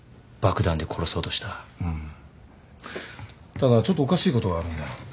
ただちょっとおかしいことがあるんだよ。